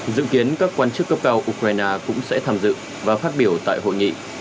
dự kiến các quan chức cấp cao ukraine cũng sẽ tham dự và phát biểu tại hội nghị